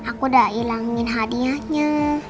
aku udah ilangin hadiahnya